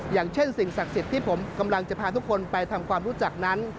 อย่างเช่นสิ่งศักดิ์สิทธิ์ที่ผมกำลังจะพาทุกคนไปทำความรู้จักนั้น